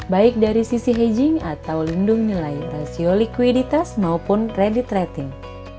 baik dari sisi hedging atau lindung nilai rasio liquiditas maupun kredit rating